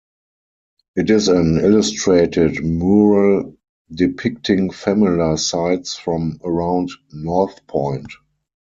It is an illustrated mural depicting familiar sights from around North Point.